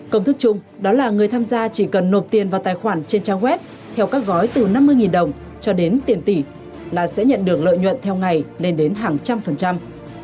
công thức chung đó là người tham gia chỉ cần nộp tiền vào tài khoản trên trang web theo các gói từ năm mươi đồng cho đến tiền tỷ là sẽ nhận được lợi nhuận theo ngày lên đến hàng trăm phần trăm